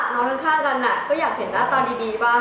นอนข้างกันก็อยากเห็นหน้าตาดีบ้าง